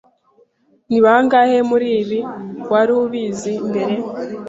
Ni bangahe muribi wari ubizi mbere?